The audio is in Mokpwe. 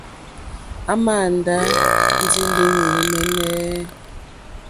À màà ndá ndí línì mɛ́ɛ́nɛ́.